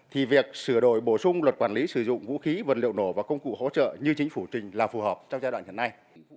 thì việc sửa đổi bổ sung luật quản lý sử dụng vũ khí vật liệu nổ và công cụ hỗ trợ như chính phủ trình là phù hợp trong giai đoạn hiện nay